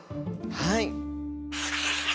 はい。